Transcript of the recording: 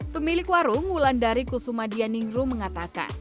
pemilik warung wulandari kusumadianingru mengatakan